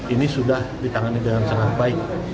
ini sudah ditangani dengan sangat baik